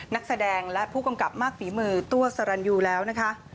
นักแสดงและผู้กำกับมากฝีมือตัวสรรยูแล้วนะคะ